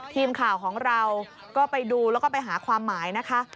ทีมข่าวของเราก็ไปดูแล้วก็ไปหาความหมายนะคะ